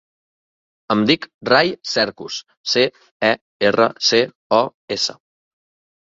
Em dic Rai Cercos: ce, e, erra, ce, o, essa.